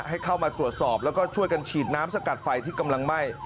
ให้เข้ามาตรวจสอบแล้วก็ช่วยกันฉีดน้ำสกัดไฟที่กำลังไหม้